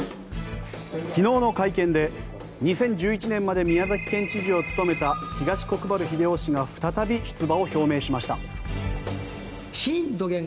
昨日の会見で２０１１年まで宮崎県知事を務めた東国原英夫氏が再び出馬を表明しました。